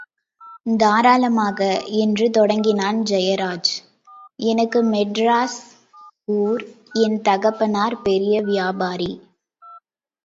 தாராளமாக! என்று தொடங்கினான் ஜெயராஜ், எனக்கு மெட்ராஸ் ஊர்.என் தகப்பனார் பெரிய வியாபாரி.